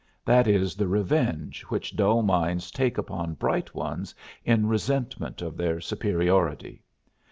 That is the revenge which dull minds take upon bright ones in resentment of their superiority.